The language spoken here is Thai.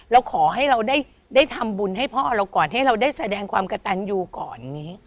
เราขอให้เราได้ทำบุญให้พ่อเราก่อนให้เราได้แสดงความกระตันอยู่ก่อนอย่างนี้